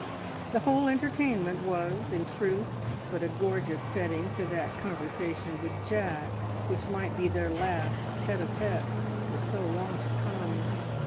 The whole entertainment was, in truth, but a gorgeous setting to that conversation with Jack, which might be their last tete a tete for so long to come.